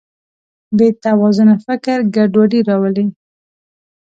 بېتوازنه فکر ګډوډي راولي.